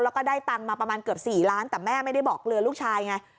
แล้วก็ได้ตังค์มาประมาณเกือบ๔ล้านแต่แม่ไม่ได้บอกเรือลูกชายไง